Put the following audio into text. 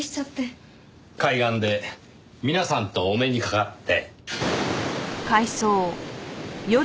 海岸で皆さんとお目にかかって。